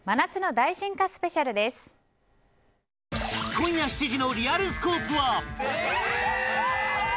今夜７時の「リアルスコープ」は。